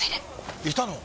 いたの？